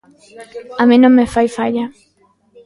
A min non me fai falla.